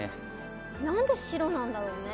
なんで白なんだろうね。